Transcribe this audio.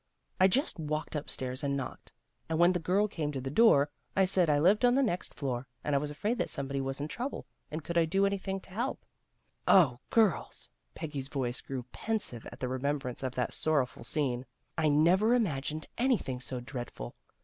I just walked upstairs and knocked, and when the girl came to the door, I said I lived on the next floor and I was afraid that somebody was in trouble and could I do anything to help. " O girls! " Peggy's voice grew pensive at the remembrance of that sorrowful scene. " I never imagined anything so dreadful.